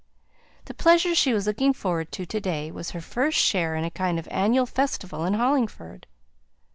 The pleasure she was looking forward to to day was her first share in a kind of annual festival in Hollingford.